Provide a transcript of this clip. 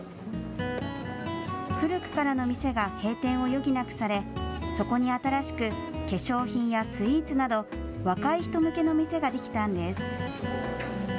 古くからの店が閉店を余儀なくされそこに新しく化粧品やスイーツなど若い人向けの店ができたんです。